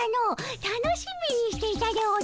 楽しみにしていたでおじゃる。